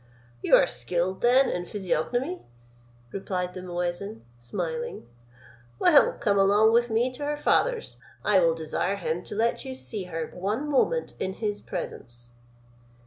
"You are skilled then in physiognomy?" replied the muezin, smiling. "Well, come along with me to her father's: I will desire him to let you see her one moment in his presence."